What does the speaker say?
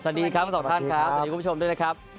สวัสดีครับทั้งสองท่านครับสวัสดีคุณผู้ชมด้วยนะครับ